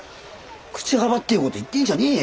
口はばってえこと言ってんじゃねえや。